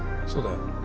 そうだよ。